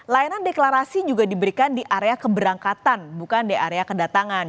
layanan deklarasi juga diberikan di area keberangkatan bukan di area kedatangan